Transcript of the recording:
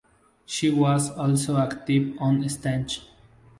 She was also active on stage.